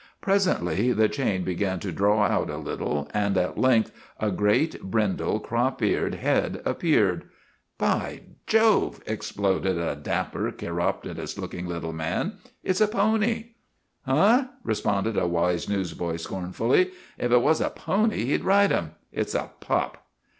Presently the chain began to draw out a little, and at length a great, brindle, crop eared head ap peared. " By Jove," exploded a dapper, chiropodist look ing little man, " it 's a pony !'" Huh," responded a wise newsboy, scornfully, " if it was a pony, he 'd ride 'im. It 's a pup."